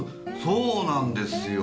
そうなんですよ。